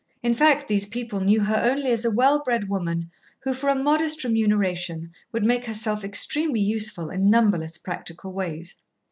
In fact, these people knew her only as a well bred woman who for a modest remuneration would make herself extremely useful in numberless practical ways.